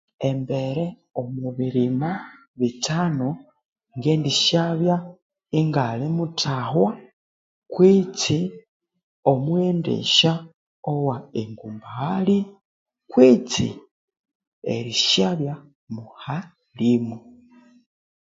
Embere omu birima bithano ngedisyabya ingali muthahwa omughendesya owe ngumbalghali kwitsi erisyabya muhalimu